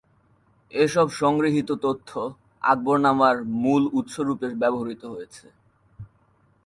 এসব সংগৃহীত তথ্য আকবরনামার মূল উৎস রূপে ব্যবহূত হয়েছে।